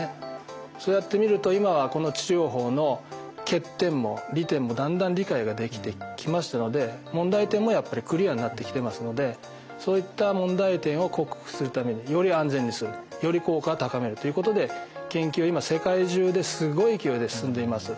そうやってみると今はこの治療法の欠点も利点もだんだん理解ができてきましたので問題点もやっぱりクリアになってきてますのでそういった問題点を克服するためにより安全にするより効果を高めるということで研究が今世界中ですごい勢いで進んでいます。